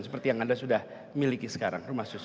seperti yang anda sudah miliki sekarang